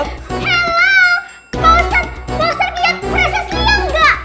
mau ustaz mau ustaz lihat proses dia nggak